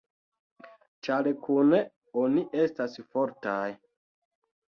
Ĉar kune oni estas fortaj.